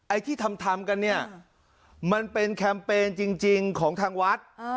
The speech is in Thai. ไอ้ที่ทำทำกันเนี่ยมันเป็นแคมเปญจริงของทางวัด